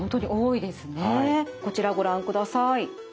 こちらご覧ください。